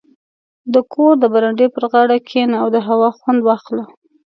• د کور د برنډې پر غاړه کښېنه او د هوا خوند واخله.